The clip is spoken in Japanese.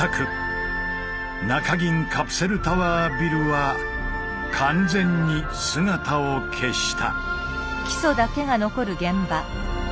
カプセルタワービルは完全に姿を消した。